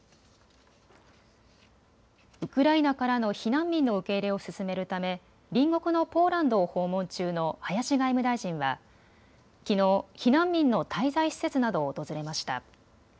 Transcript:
ウクライナからの避難民の受け入れを進めるため隣国のポーランドを訪問中の林外務大臣はきのう、避難民の滞在施設などを訪れました。